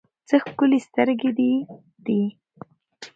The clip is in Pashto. څه ښکلي سترګې دې دي